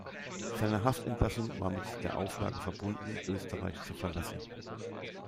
Seine Haftentlassung war mit der Auflage verbunden, Österreich zu verlassen.